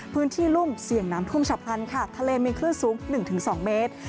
รุ่มเสี่ยงน้ำท่วมฉับพลันค่ะทะเลมีคลื่นสูง๑๒เมตร